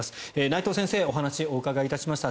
内藤先生にお話をお伺いしました。